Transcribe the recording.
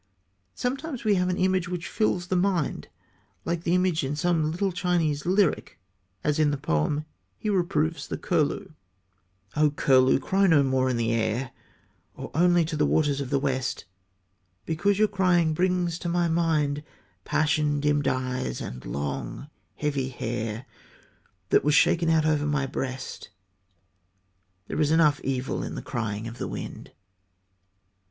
Sometimes we have an image which fills the mind like the image in some little Chinese lyric, as in the poem He Reproves the Curlew: O, curlew, cry no more in the air, Or only to the waters of the West; Because your crying brings to my mind Passion dimmed eyes and long heavy hair That was shaken out over my breast: There is enough evil in the crying of the wind.